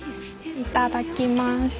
いただきます。